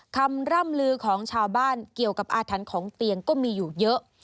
คำร่ำลือของชาวบ้านเกี่ยวกับอาถรรพ์ของเตียงก็มีอยู่เยอะ